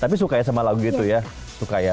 tapi suka ya sama lagu itu ya